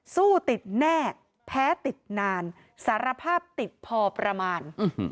สู้ติดแน่แพ้ติดนานสารภาพติดพอประมาณ